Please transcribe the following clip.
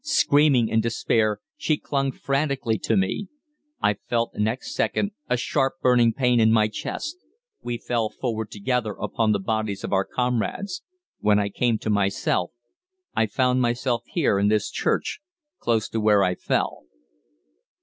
"Screaming in despair, she clung frantically to me. "I felt next second a sharp burning pain in my chest.... We fell forward together upon the bodies of our comrades.... When I came to myself I found myself here, in this church, close to where I fell."